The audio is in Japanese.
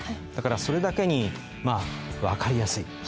だからそれだけに分かりやすい。